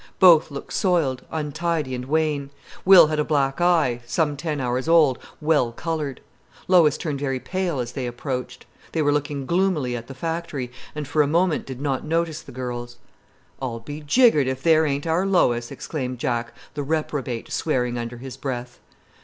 Both looked soiled, untidy and wan. Will had a black eye, some ten hours old, well coloured. Lois turned very pale as they approached. They were looking gloomily at the factory, and for a moment did not notice the girls. "I'll be jiggered if there ain't our Lois!" exclaimed Jack, the reprobate, swearing under his breath.